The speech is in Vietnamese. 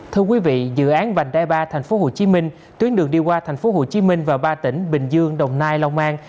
thưa quý vị dự án vành đai ba tp hcm tuyến đường đi qua tp hcm và ba tỉnh bình dương đồng nai long an